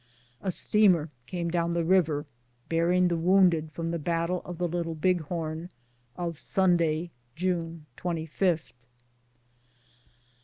A steamer came down the river bearing the wounded from the battle of the Little Big Horn, of Sunday, June 25th.